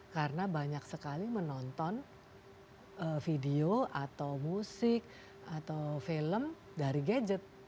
karena banyak sekali menonton video atau musik atau film dari gadget